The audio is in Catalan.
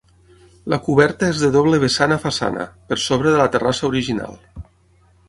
La coberta és de doble vessant a façana, per sobre de la terrassa original.